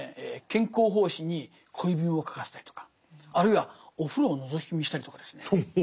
兼好法師に恋文を書かせたりとかあるいはお風呂をのぞき見したりとかですね